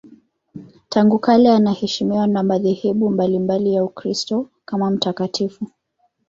Tangu kale anaheshimiwa na madhehebu mbalimbali ya Ukristo kama mtakatifu.